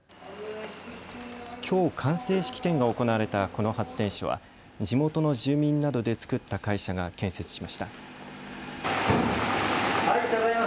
きょう完成式典が行われたこの発電所は地元の住民などで作った会社が建設しました。